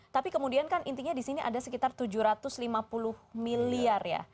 tapi kemudian kan intinya di sini ada sekitar tujuh ratus lima puluh miliar ya